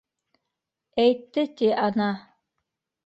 - Әйтте, ти, ана.